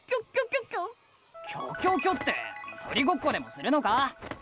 キョキョキョって鳥ごっこでもするのか？